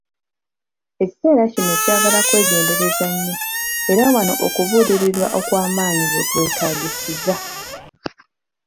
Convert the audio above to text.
Ekiseera kino kyagala kwegendereza nnyo, era wano okubuulirirwa okwamaanyi wekwetaagisiza.